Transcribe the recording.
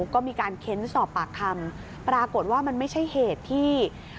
ก็มีการเค้นสอบปากคำปรากฏว่ามันไม่ใช่เหตุที่